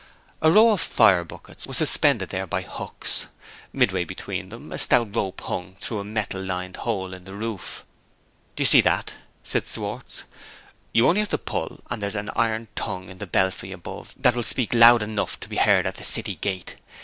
A row of fire buckets was suspended there by books. Midway between them, a stout rope hung through a metal lined hole in the roof. "Do you see that?" said Schwartz. "You have only to pull, and there's an iron tongue in the belfry above that will speak loud enough to be heard at the city gate.